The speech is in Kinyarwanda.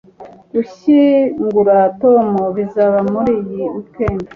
gushyingura tom bizaba muri iyi weekend